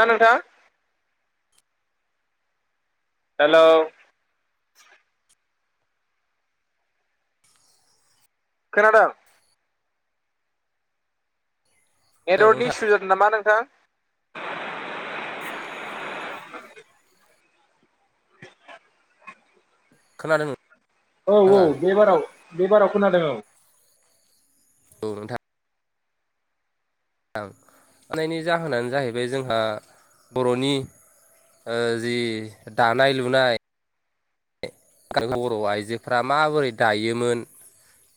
ना नोंथां। हेल' खोनादों। औ एडरर्डनि नोंथां सुजुद नामा नोंथां। खोनादों। औ नोंथाङा -औ बेबाराव बेबाराव खोनादों औ। औ नोंथां। नोंथां थानायनि जाहोनानो जाहैबाय जोंहा बर'नि ओ जि दानाय -लुनाय बर' आइजोफ्रा माबोरै दायोमोन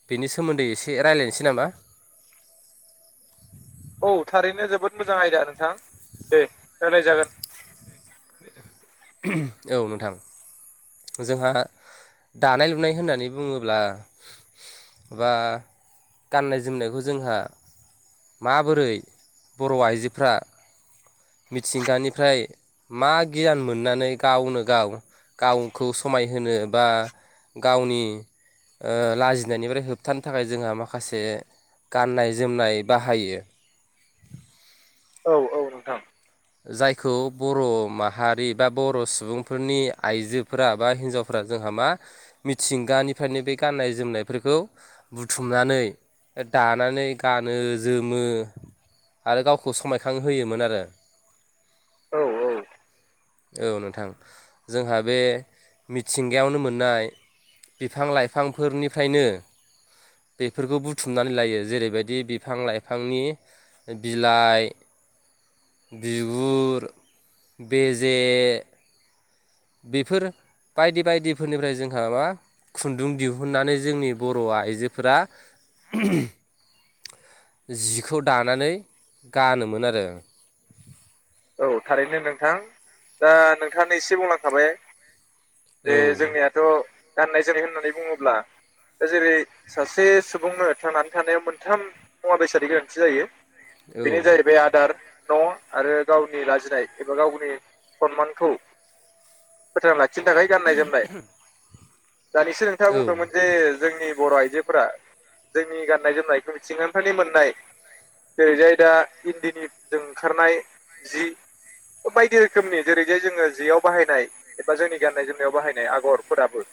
बिनि सोमोन्दै एसे रायलायसै नामा। औ थारैनो जोबोद मोजां आयदा नोंथां दे रायलाय जागोन। औ नोंथां। जोंहा दानाय -लुनाय होननानै बुङोब्ला बा गाननाय - जोमनायखौ जोंहा माबोरै बर' आइजोफ्रा मिथिंगानिफ्राय मा गियान मोननानै गावनो गाव गावखौ समायहोनो बा गावनि ओ लाजिनायनिफ्राय होबथानो थाखाय जोंहा माखासे गाननाय - जोमनाय बाहायो। औ - औ नोंथां। जायखौ बर' माहारि बा बर' सुबुंफोरनि आइजोफोरा बा हिनजाव फोरा जोंहा मा मिथिंगानिफ्रायनो बे गाननाय जोमनायफोरखौ बुथुमनानै दानानै गानो जोमो आरो गावखौ समायखां होयोमोन आरो। औ औ औ नोंथां जोंहा बे मिथिंगायावनो मोननाय बिफां लाइफांफोरनिफ्रायनो बेफोरखौ बुथुमनानै लायो जेरैबायदि बिफां लाइफांनि बिलाइ बिगुर बेजे बेफोर बायदि बायदिफोरनिफ्राय जोंहा मा खुन्दुं दिहुनन्नानै जोंनि बर' आइजोफोरा [unintelligible] जिखौ दानानै गानोमोन आरो। औ थारैनो नोंथां। दा नोंथाङानो एसे बुंलांखाबाय दे औ जोंनियाथ' गाननाय जोमनाय होननानै बुङोब्ला जेरै सासे सुबुंनो थांनानै थानायाव मोनथाम मुवा बेसाद गोनांथि जायो। औ बेनो जाहैबाय आदार, न' आरो गावनि लाजिनाय एबा गावनि सनमानखौ फोथांना लाखिनो थाखाय गाननाय जोमनाय, दानिसो नोंथाङा औ बुंदोंमोन जे जोंनि ओरैजाय दा इन्दिनिजों ओंखारनाय जि। बायदि रोखोमनि जेरैजाय जोङो जेयाव बाहायनाय एबा जोंनि गान्नाय जोमनायाव बाहायनाय आगरफोराबो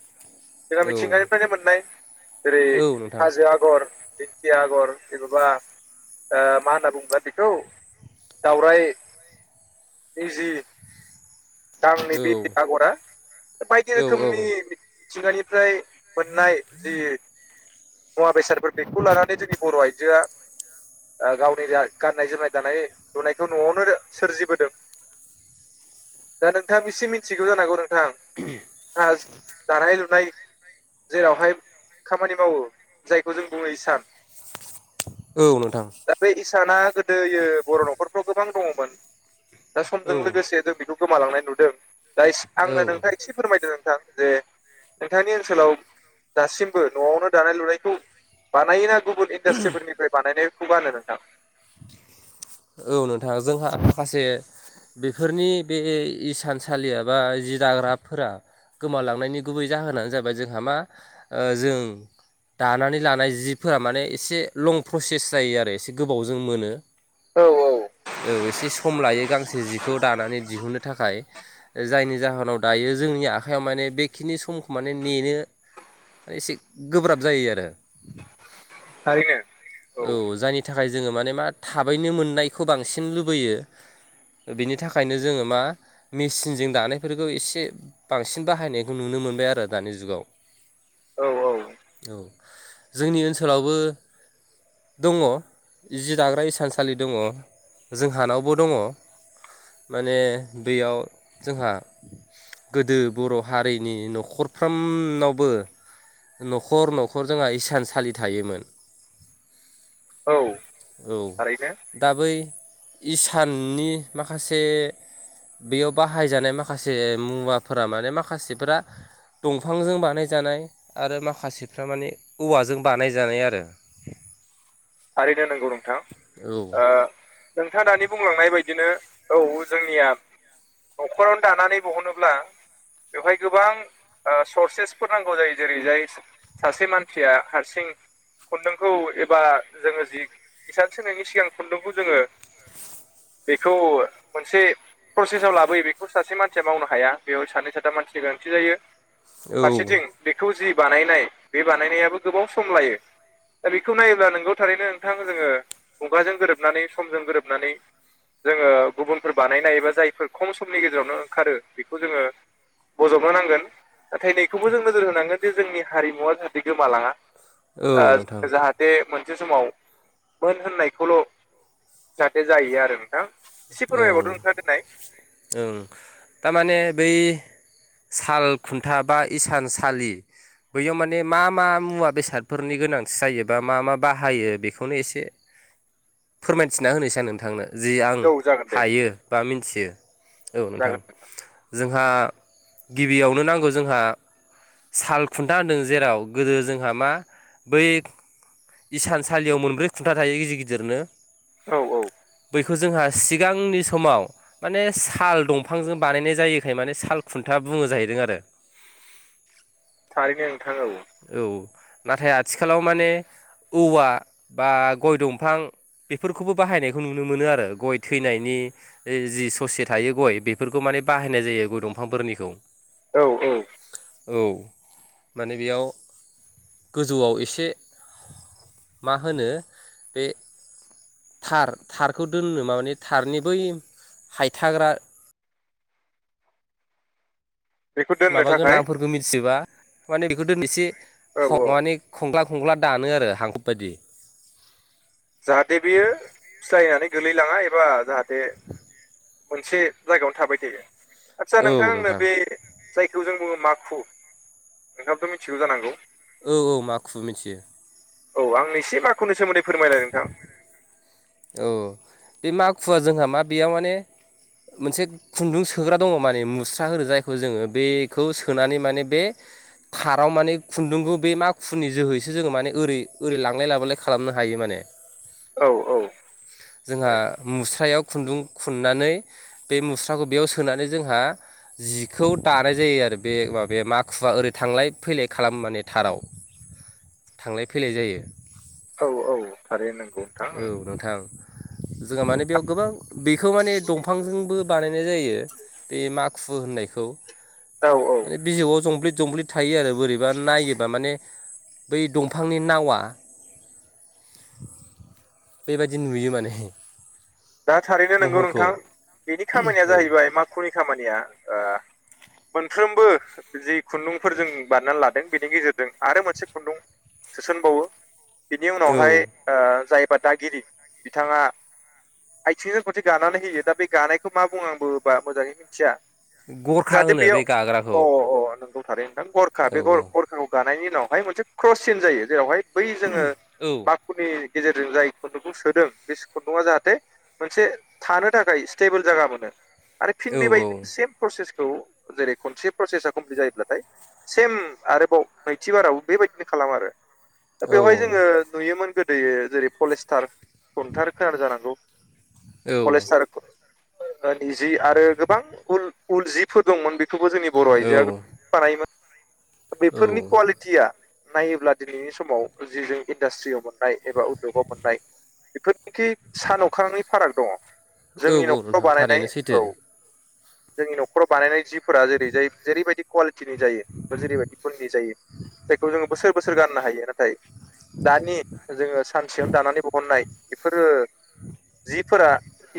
जोंहा औ मिथिंगानिफ्रायनो मोननाय जेरै औ नोंथां हाजो आगर दिंखिया आगर एबा ओ मा होनना बुङोब्ला बेखौ दावराइ निजि [unintelligible] नै औ बे आगरा बायदि औ औ रोखोमनि मिथिंगानिफ्राय मोननाय जि मुवा बेसादफोर बेखौ लानानै जोंनि बर' आइजोआ आ गावनि जा गाननाय जोमनाय, दानाय लुनायखौ न'आवनो सोरजिबोदों। दा नोंथां एसे मिथिगौ जानांगौ नोंथां हा दानाय लुनाय जेरावहाय खामानि मावो जायखौ जों बुङो हिसान औ नोंथां। दा बे इसाना गोदोयो बर' न'खरफ्राव गोबां दङ'मोन। दा समजों औ लोगोसे जों बेखौ गोमालांनाय नुदों दा इसे आंनो औ नोंथाङा एसे फोरमायदों नोंथां जे नोंथांनि ओनसोलाव दासिमबो न'आवनो दानाय लुनायखौ बानायो ना गुबुन इन्डास्ट्रिफोरनिफ्राय बानायनायखौ गानो नोंथां। औ नोंथां जोंहा माखासे बेफोरनि बे इसानसालि एबा जि दाग्राफोरा गोमालांनायनि गुबै जाहोनानो जाबाय जोंहा मा जों दानानै लानाय जिफोरा माने एसे लं प्रसेस जायो आरो एसे गोबावजों जों मोनो। औ औ औ एसे सम लायो गांसे जि खौ दानानै दिहुननो थाखाय जायनि जाहोनाव दायो जोंनि आखाइयाव माने बेखिनि समखौ माने नेनो एसे गोब्राब जायो आरो। थारैनो औ जायनि थाखाय जोङो माने मा थाबैनो मोननायखौ बांसिन लुबैयो। बिनि थाखायनो जोङो मा मेसिनजों दानायफोरखौ एसे बांसिन बाहायनायखौ नुनो मोनबाय आरो दानि जुगाव। औ औ। औ जोंनि ओनसोलावबो दङ' जि दाग्रा इसानसालि दङ' जोंहानावबो दङ'। माने बेयाव जोंहा गोदो बर' हारिनि न'खरफ्रामनावबो न'खर न'खर जोंहा इसानसालि थायोमोन। औ औ, थारैनो दा बै इसाननि माखासे बेयाव बाहायजानाय माखासे मुवाफोरा माने माखासेफोरा दंफांजों बानायजानाय आरो माखासेफ्रा माने औवाजों बानायजानाय आरो। थारैनो नोंगौ नों औ नोंथाङा दानि बुंलांनाय बायदिनो औ जोंनिया न'खरावनो दानानै बहनोब्ला बेवहाय गोबां सर्सेसफोर नांगौ जायो जेरै जाय सासे मानसिया हारसिं खुन्दुंखौ एबा जोंङो जि इसान स होनायनायनि सिगां खुन्दुंखौ जोंङो बेखौ मोनसे प्रसेसाव लाबोयो बेखौ सासे मानसिया मावनो हाया बेयाव सानै साथाम मानसिनि गोनांथि जायो। औ फारसेथिं बेखौ जि बानायनाय बे बानायनायाबो गोबाव सम लायो। दा बेखौ नायोब्ला नोंगौ थारैनो नोंथां जोंङो मुगाजों गोरोबनानै समजों गोरोबनानै जोंङो गुबुनफोर बानायनाय एबा जायफोर खम समनि गेजेरावनो ओंखारो बेखौ जोंङो बजबनो नांगोन। नाथाय नैखौबो जों नोजोर होनांगोन जे जोंनि हारिमुवा जाहाथे गोमालाङा। औ नोंथां ओ जाहाथे मोनसे समाव मोन होननायखौल' जाहाथे जायो आरो नोंथां। एसे ओं फोरमायबावदो नोंथाङा दोननाय ओं थारमाने बै साल खुन्था बा इसान सलि बैयाव माने मा मा मुवा बेसादफोरनि गोनांथि जायोबा मा मा बाहायो बेखौनो एसे फोरमायथिना होनोसै आं नोंथांनो जि आं औ जागोन दे हायो बा मिथियो औ नोंथां। जागोन जोंहा गिबियावनो नांगौ जोंहा साल खुन्था होनदों जेराव गोदो जोंहा मा बै इसानसालियाव मोनब्रै खुन्था थायो गिदिर गिदिरनो औ औ बैखौ जोंहा सिगांनि समाव माने साल दंफांजों बानायनाय जायोखाय माने साल खुन्था बुङो जाहैदों आरो। थारिनो नोंथां औ। औ नाथाय आथिखालाव माने औवा बा गय दंफां बेफोरखौबो बाहायनायखौ नुनो मोनो आरो गय थैनायनि जि ससे थायो गय बेफोरखौ माने बाहायनाय जायो गय दंफांफोरनिखौ। औ औ औ माने बेयाव गोजौआव एसे मा होनो बे थार थारखौ दोननो म माने थारनि बै हायथाग्रा बेखौ दोननो माबा गोनां थाखाय नामफोरखौ मिथिजोबा माने बेखौ दोनैसे औ औ माने खुंग्ला खुंग्ला दानो आरो हांखब बायदि। जाहाथे बियो फिथायनानै गोलैलाङा एबा जाहाथे मोनसे जायगायावनो थाबाय थायो। आदसा नोंथां आनो बे जायखौ जों बुङो माखु नोंथाङाबथ' मिथिगौ जानांगौ औ औ मा खुबु मिथियो। औ आंनो एसे माख'नि सोमोन्दै फोरमायलाय नोंथां। औ बे मखुवा जोंहा मा बेयाव माने मोनसे खुन्दुं सोग्रा दङ माने मुस्रा हो जायखौ जोंङो बेखौ सोनानै माने बे खाराव माने खुन्दुंखौ बे मा खुनि जोहैसो जोंङो माने ओरै ओरै लांलाय लाबोलाय खालामनो हायो माने। औ औ जोंहा थारैनो मुस्रायाव खुन्दुं खुनन्नानै बे मुस्राखौ बेयाव सोनानै जोंहा जिखौ दानाय जायो आरो बे माबे माखुवा ओरै थांलाय फैलाय खालाम माने थाराव। थांलाय फैलाय जायो। औ औ थारैनो नंगौ। नोंथां औ नोंथां जोंहा माने बेयाव गोबां बेखौ माने दंफांजोंबो बानायनाय जायो बे माखु होननायखौ। औ औ। माने बिजौआव जंब्लिद जंब्लिद थायो आरो बोरैबा नायोबा माने बै दंफांनि नावा बेबायदि नुयो माने। दा थारैनो नोंगौ महरखौ नोंथां। बेनि खामानिया औ जाहैबाय माखुनि खामानिया ओ मोनफ्रोमबो जि खुन्दुंफोर जों बानायनानै लादों बेनि गेजेरजों आरो मोनसे खुन्दुं सोसनबावो बिनि औ उनावहाय ओ जाय बा दागिरि बिथाङा आइथिंजों खनसे गानानै होयो। दा बे गानायखौ मा बुङो आंबो बा मोजाङै मिनथिया। गरखा जाहाथे होनो बे बेयाव गाग्राखौ अ अ नंगौ। थारैनो नोंथां। गरखा औ बे गर-गरखाखौ गानायनि उनावहाय मोनसे क्रस सिन जायो। जेरावहाय बै जोङो माखुनि गेजेरजों जाय खुन्दुंखौ सोदों बे खुन्दुङा जाहाथे मोनसे थानो थाखाय स्टेबोल जागा मोनो आरो फिन औ औ बेबायदिनो सेम प्रसेसखौ जेरै खनसे प्रसेसा कमप्लिट जायोब्लाथाय सेम आरोबाव नैथिबाराव बेबायदिनो खालामो आरो दा औ बेवहाय जोङो नुयोमोन गोदोयो जेरै पलेस्टार खन्थार खोनादो जानांगौ। औ पलेस्टार ओ नि जि आरो गोबां उल उल जिफोर दंमोन। बे खौबो जोंनि बर' आइजोआ औ बानायोमोन औ बेफोरनि कुवालि थिया नायोब्ला दिनैनि समाव जि जों इन्डास्ट्रियाव मोननाय एबा उद्दगाव मोननाय बेफोरनोखि सान अख्रांनि फाराग दङ'। औ जोंनि नोंथां न'खराव थारैनो बानायनाय औ। [inaudible] जोंनि न'खराव बानायनाय जिफोरा जेरै जाय जेरैबायदि कुवालिटिनि जायो बा जेरैबायदि गुननि जायो। जायखौ जोङो बोसोर बोसोर गाननो हायो। नाथाय दानि जोङो सानसेयावनो दानानै बहननाय बेफोरो जिफोरा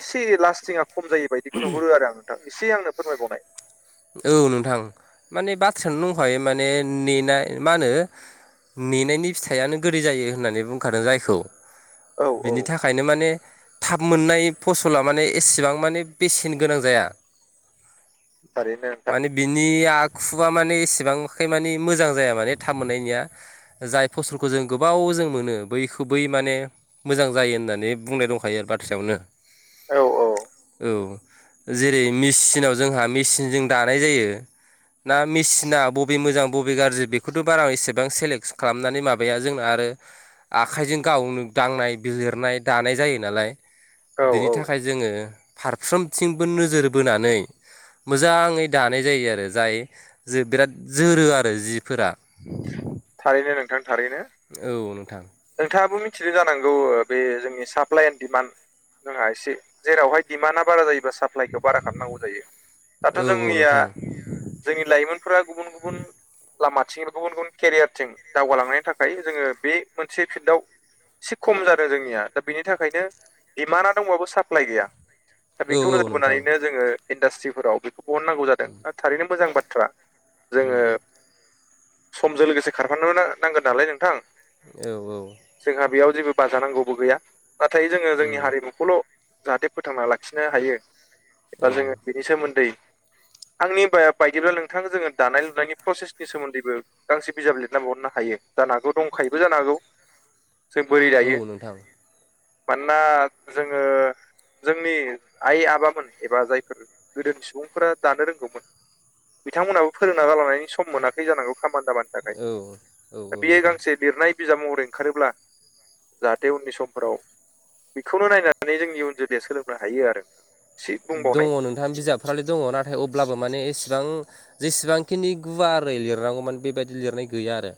इसे लास्टिङा खम जायो बायदिखौ नुहुरो आरो आं नोंथां एसे आंनो फोरमायबावनाय। औ नोंथां माने बाथ्रायानो दंखायो माने नेनाय मा होनो नेनायनि फिथाइयानो गोदै जायो होननानै बुंखादों जायखौ औ बिनि औ था खायनो माने थाब मोननाय फसला माने एसेबां माने बेसेन गोनां जाया। थारैनो। नोंथां माने बिनि आखुआ माने एसेबांखाय माने मोजां जाया माने थाब मोननायनिया। जाय फसलखौ जों गोबाव जों मोनो। बैखौ बै माने मोजां जायो होननानै बुंनाय दंखायो आरो बाथ्रायावनो। औ औ। औ जेरै मेचिनाव जोंहा मेचिनजों दानाय जायो। ना मेसिना बबे मोजां बबे गाज्रि बेखौथ' बारा एसेबां सेलेक्स खालामनानै माबाया जोंना आरो आखाइजों गावनो दांनाय बिलिरनाय दानाय जायो नालाय। औ बिनि औ थाखाय जोङो फारफ्रोमथिंबो नोजोर बोनानै मोजाङै दानाय जायो आरो जाय जो बिराद जोरो आरो जिफोरा। थारैनो नोंथां थारैनो। औ नोंथां। नोंथाङाबो मिथिदों जानांगौ ओ बे जोंनि साप्लाइ एन्ड डिमान्ड जोंहा एसे जेरावहाय दिमान्डआ बारा जायोबा सा प्लाइखौ बारा खालामनांगौ जायो। दाथ' औ औ जोंनिया नोंथां जोंनि लाइमोनफोरा गुबुन गुबुन लामाथिं गुबुन गुबुन केरियारथिं दावगालांनायनि थाखाय जोङो बे मोनसे फिल्डाव एसे खम जादों जोंनिया। दा बिनि थाखायनो दिमाना दंबाबो साप्लाय गैया। दा औ बेखौ औ नोजोर नोंथां बोनानैनो जोङो इन्डास्ट्रिफोराव बेखौ बहननांगौ जादों थारैनो मोजां बाथ्रा। जोङो उम। समजों लोगोसे खारफानोबो नांगोन नालाय नोंथां। औ औ। जोंहा बेयाव जेबो बाजानांगौबो गैया। नाथाय जोङो उम जोंनि हारिमुखौल' जाहाथे फोथांना लाखिनो हायो औ एबा जोङो बेनि सोमोन्दै आंनि बा-बायदिब्ला नोंथां जोङो दानाय लुनायनि प्रसेसनि सोमोन्दैबो गांसे बिजाब लिरनानै हरनो हायो जानो हागौ। दंखायोबो जा नो हागौ जों बोरै औ दायो। नोंथां मानोना जोङो जोंनि आइ आबामोन एबा जायफोर गोदोनि सुबुंफोरा दानो रोंगौमोन। बिथांमोनाबो फोरोंना गालांनायनि सम मोनाखै जानांगौ। खामानि दामानि थाखाय। औ औ दा औ बेयो नोंथां गांसे लिरनाय बिजाब महरै ओंखारोब्ला जाहाथे उननि समफोराव बेखौनो नायनानै जोंनि उन जोलैया सोलोंनो हायो आरो। एसे दङ बुंबावनाय नोंथाङा बिजाबफ्रालाय दङ नाथाय अब्लाबो माने एसेबां जेसेबांखिनि गुवारै लिरनांगौमोन बेबायदि लिरनाय गैया आरो।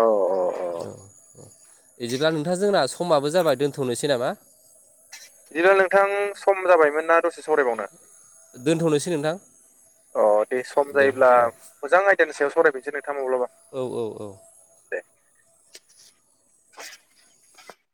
औ औ औ औ बिदिब्ला नोंथां जोंना समाबो जाबाय दोन्थ'नोसै नामा? बिदिब्ला नोंथां सम जाबायमोन ना दसे सरायबावनो? दोन्थ'नोसै नोंथां। अ दे सम जायोब्ला मोजां आयदानि सायाव सावरायफिनो्सै नोंथां माब्लाबा। औ औ औ। दे